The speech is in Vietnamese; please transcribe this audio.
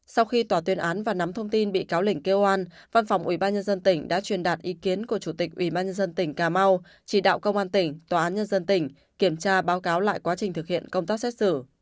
sau khi tòa tuyên án và nắm thông tin bị cáo lình kêu an văn phòng ubnd tỉnh đã truyền đạt ý kiến của chủ tịch ủy ban nhân dân tỉnh cà mau chỉ đạo công an tỉnh tòa án nhân dân tỉnh kiểm tra báo cáo lại quá trình thực hiện công tác xét xử